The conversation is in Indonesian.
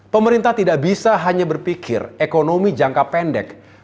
pemerintah tidak bisa hanya berpikir ekonomi jangka pendek